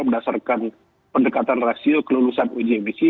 berdasarkan pendekatan rasio kelulusan uji emisi